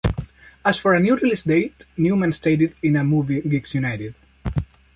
As for a new release date, Newman stated in a Movie Geeks United!